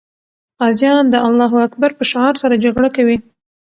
غازیان د الله اکبر په شعار سره جګړه کوي.